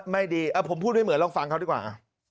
ไม่ดีผมพูดไม่เหมือนลองฟังเขาดีกว่า